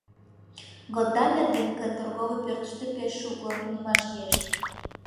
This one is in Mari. “Годдамер ден К°” торговый пӧртыштӧ пеш шукылан тунемаш лиеш.